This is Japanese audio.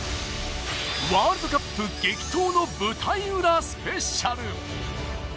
ワールドカップ激闘の舞台裏スペシャル！